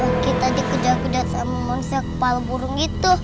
kenapa kita aja kerja kerja sama manusia kepala burung itu